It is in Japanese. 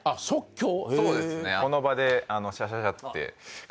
この場でシャシャシャって描けるので。